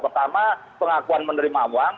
pertama pengakuan menerima uang